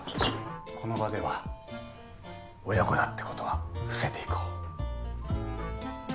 この場では親子だってことは伏せていこう。